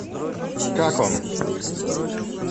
Как он?